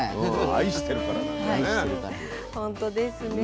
愛してるからなんだね。